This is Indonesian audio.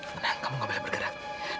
karena kamu gak boleh bergerak